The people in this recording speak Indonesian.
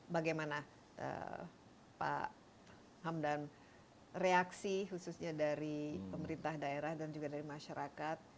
bagaimana pak hamdan reaksi khususnya dari pemerintah daerah dan juga dari masyarakat